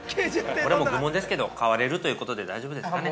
これはもう愚問ですけど買われるということで、大丈夫ですかね。